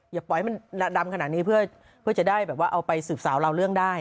อย่าปล่อยให้มันดำขนาดนี้เพื่อจะได้แบบว่าเอาไปสืบสาวเราเรื่องได้